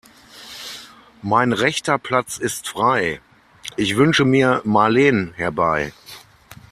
Mein rechter Platz ist frei, ich wünsche mir Marleen herbei.